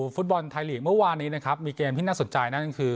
ฟุตบอลไทยลีกเมื่อวานนี้นะครับมีเกมที่น่าสนใจนั่นก็คือ